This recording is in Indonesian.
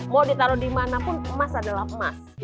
mau ditaruh dimanapun emas adalah emas